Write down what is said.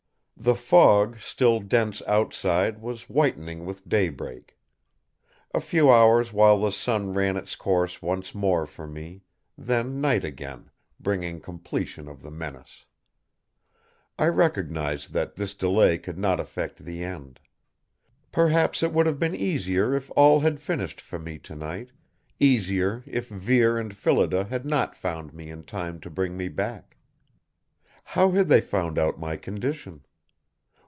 The fog still dense outside was whitening with daybreak. A few hours while the sun ran its course once more for me, then night again, bringing completion of the menace. I recognized that this delay could not affect the end. Perhaps it would have been easier if all had finished for me tonight, easier if Vere and Phillida had not found me in time to bring me back. How had they found out my condition?